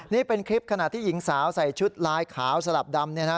นี่เป็นคลิปขณะที่หญิงสาวใส่ชุดลายขาวสลับดำเนี่ยนะ